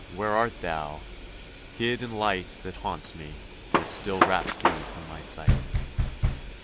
where art thou, hid in light That haunts me, yet still wraps thee from my sight?